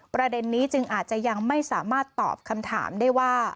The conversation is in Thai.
ประเด็นนี้จึงอาจจะยังไม่สามารถตอบคำถามได้ว่า